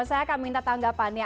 saya akan minta tanggapannya